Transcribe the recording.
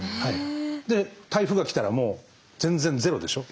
で台風が来たらもう全然ゼロでしょ。